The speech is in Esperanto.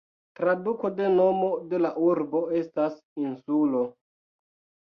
Traduko de nomo de la urbo estas "insulo".